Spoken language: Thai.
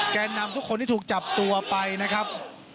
แกนนำทุกคนที่ถูกจับตัวไปนะครับ